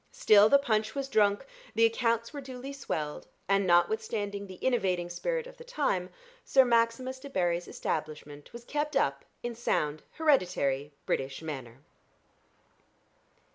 Still the punch was drunk, the accounts were duly swelled, and, notwithstanding the innovating spirit of the time, Sir Maximus Debarry's establishment was kept up in sound hereditary British manner.